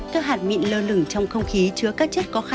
các hạt mịn lơ lửng trong không khí chứa các chất lượng không khí